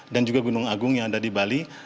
dan juga gunung agung yang ada di bali